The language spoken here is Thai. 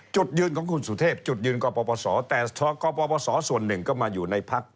จุดยืนของคุณสุเทพจุดยืนกปศแต่กปศส่วนหนึ่งก็มาอยู่ในพัก